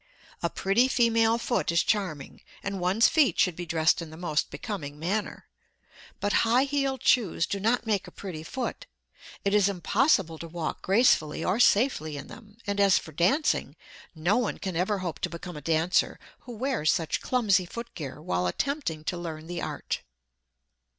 A pretty female foot is charming, and one's feet should be dressed in the most becoming manner. But high heeled shoes do not make a pretty foot. It is impossible to walk gracefully or safely in them, and as for dancing, no one can ever hope to become a dancer who wears such clumsy foot gear while attempting to learn the art.